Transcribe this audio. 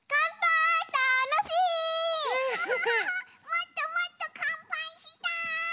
もっともっとかんぱいしたい！